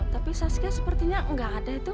tapi saskia sepertinya gak ada itu